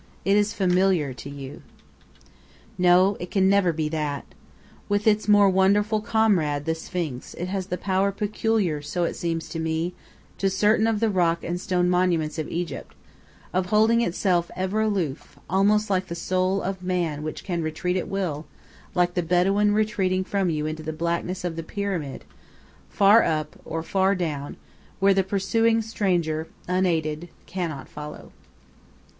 It is familiar to you. No, it can never be that. With its more wonderful comrade, the Sphinx, it has the power peculiar, so it seems to me, to certain of the rock and stone monuments of Egypt, of holding itself ever aloof, almost like the soul of man which can retreat at will, like the Bedouin retreating from you into the blackness of the Pyramid, far up, or far down, where the pursuing stranger, unaided, cannot follow.